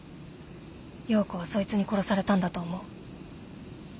葉子はそいつに殺されたんだと思う。